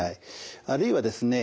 あるいはですね